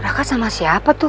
raka sama siapa tuh